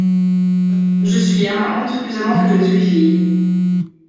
Je suis, à ma honte, plus amante que je ne suis fille.